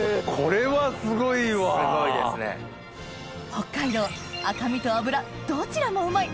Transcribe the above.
北海道赤身と脂どちらもうまい！